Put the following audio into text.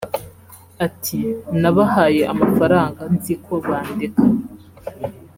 Ati “Nabahaye amafaranga nzi ko bandeka